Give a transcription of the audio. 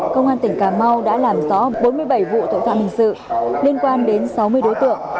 công an tỉnh cà mau đã làm rõ bốn mươi bảy vụ tội phạm hình sự liên quan đến sáu mươi đối tượng